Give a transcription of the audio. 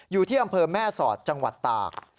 อยู่ที่อำเภอแม่สอดจังหวัดตาก